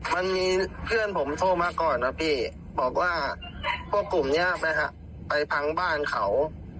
มันมีเพื่อนผมโทรมาก่อนนะพี่บอกว่าพวกกลุ่มนี้ไปพังบ้านเขา